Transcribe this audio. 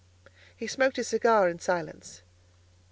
He smoked his cigar in silence.